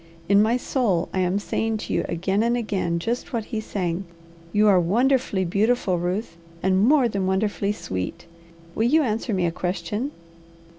"In my soul, I am saying to you again and again just what he sang. You are wonderfully beautiful, Ruth, and more than wonderfully sweet. Will you answer me a question?"